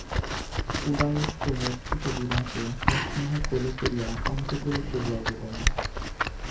উদয়াদিত্য মূর্ছিত বিভাকে সস্নেহে কোলে করিয়া অন্তঃপুরে চলিয়া গেলেন।